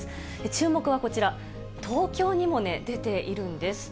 注目はこちら、東京にも出ているんです。